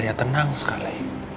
ia sedang fungsi